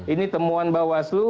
ini temuan mbak waslu